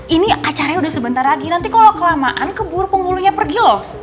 ini acaranya udah sebentar lagi nanti kalau kelamaan keburu penghulunya pergi loh